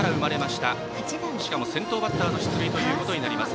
しかも先頭バッターの出塁となります。